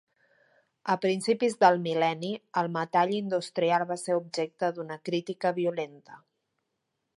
A principis del mil·lenni, el metall industrial va ser objecte d'una crítica violenta.